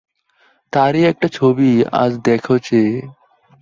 তারই একটা ছবি আজ দেখো চেয়ে।